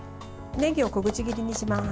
ねぎを小口切りにします。